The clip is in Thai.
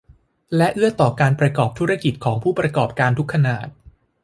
และเอื้อต่อการประกอบธุรกิจของผู้ประกอบการทุกขนาด